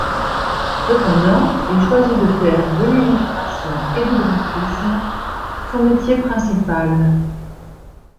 Cependant, il choisit de faire de l’illustration et du graphisme son métier principal.